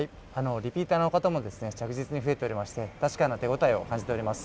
リピーターの方も着実に増えておりまして、確かな手応えを感じております。